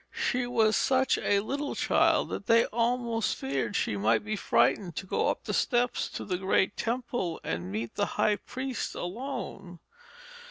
She was such a little child that they almost feared she might be frightened to go up the steps to the great temple and meet the high priest alone.